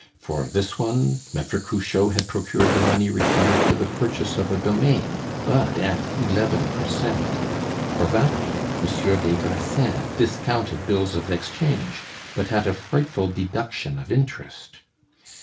For this one, Maitre Cruchot had procured the money required for the purchase of a domain, but at eleven per cent. For that one, Monsieur des Grassins discounted bills of exchange, but at a frightful deduction of interest.